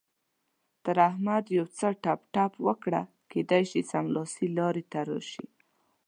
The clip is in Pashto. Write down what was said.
تر احمد يو څه ټپ ټپ وکړه؛ کېدای شي سمې لارې ته راشي.